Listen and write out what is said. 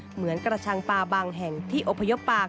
เหมือนกระชังปลาบางแห่งที่อพยพปลา